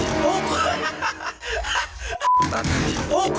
โอ้โฮพูดปุ๊บพุทพิทย์ปั๊ป